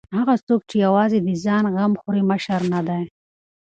هغه څوک چې یوازې د ځان غم خوري مشر نه دی.